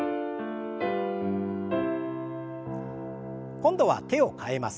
今度は手を替えます。